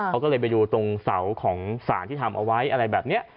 เขาก็เลยไปดูตรงเสาของสารที่ทำเอาไว้อะไรแบบนี้